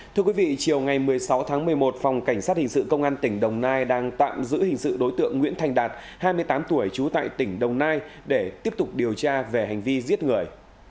thưa quý vị chiều ngày một mươi sáu tháng một mươi một phòng cảnh sát hình sự công an tỉnh đồng nai đang tạm giữ hình sự đối tượng nguyễn thành đạt hai mươi tám tuổi trú tại tỉnh đồng nai để tiếp tục điều tra về hành vi giết người